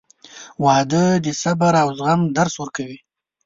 • واده د صبر او زغم درس ورکوي.